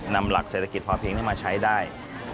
นำหลักเศรษฐกิจพอเพียงนี้มาใช้ได้